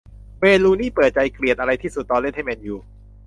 เวย์น รูนี่ย์ เปิดใจ เกลียดอะไรที่สุดตอนเล่นให้ แมนยู